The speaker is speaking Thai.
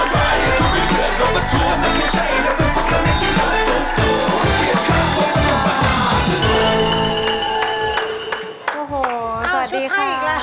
ว้าวสวัสดีครับเอาชุดไทยอีกแล้ว